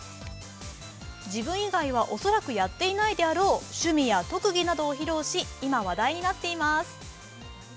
自分以外は恐らくやっていないであろう趣味や特技などを披露し今、話題になっています。